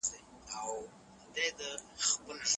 ډیپلوماټیک اړیکي پر باور پکار دي.